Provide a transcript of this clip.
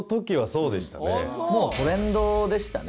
もうトレンドでしたね